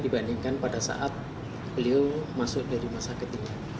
dibandingkan pada saat beliau masuk dari masyarakat